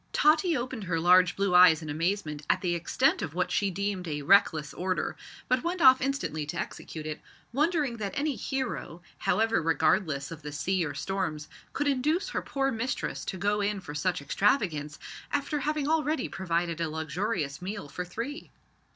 Tottie opened her large blue eyes in amazement at the extent of what she deemed a reckless order, but went off instantly to execute it, wondering that any hero, however regardless of the sea or storms, could induce her poor mistress to go in for such extravagance, after having already provided a luxurious meal for three.